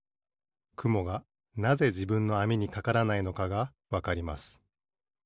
くもがなぜじぶんのあみにかからないのかがわかります。